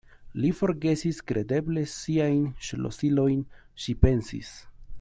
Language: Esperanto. Li forgesis kredeble siajn ŝlosilojn, ŝi pensis.